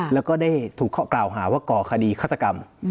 แล้วก็ได้ถูกข้อกล่าวหาว่าก่อคดีฆาตกรรม